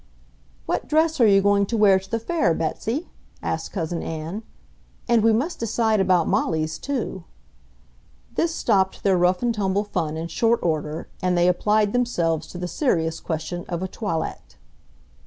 "What dress are you going to wear to the Fair, Betsy?" asked Cousin Ann. "And we must decide about Molly's, too." This stopped their rough and tumble fun in short order, and they applied themselves to the serious question of a toilet.